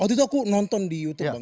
waktu itu aku nonton di youtube dong